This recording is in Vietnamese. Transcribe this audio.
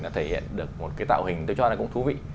đã thể hiện được một cái tạo hình tôi cho là cũng thú vị